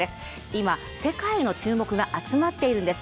今世界の注目が集まっているんです。